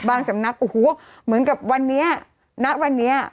สำนักโอ้โหเหมือนกับวันนี้ณวันนี้